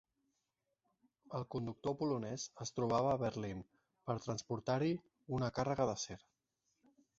El conductor polonès es trobava a Berlín per a transportar-hi una càrrega d'acer.